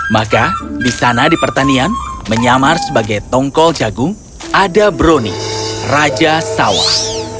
maka di sana di pertanian menyamar sebagai tongkol jagung ada broni raja sawah